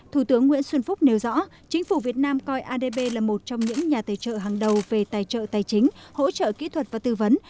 thủ tướng nguyễn xuân phúc nêu rõ chính phủ việt nam coi adb là một trong những nhà tài trợ hàng đầu về tài trợ tài chính hỗ trợ kỹ thuật và tư vấn